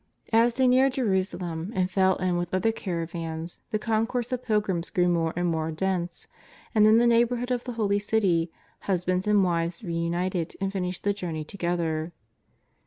As they neared Jerusalem and fell in with other cara vans, the concourse of pilgrims grew more and more dense, and in the neighbourhood of the Holy City hus bands and wives reunited and finished the journey to gether.